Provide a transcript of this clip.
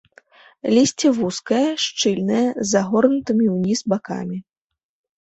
Лісце вузкае, шчыльнае, з загорнутымі ўніз бакамі.